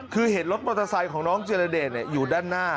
คือเห็นรถมอเตอร์ไซค์ของน้องเจรเดชอยู่ด้านหน้า